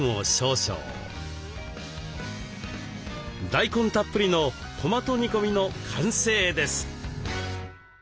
大根たっぷりのトマト煮込みの完成です。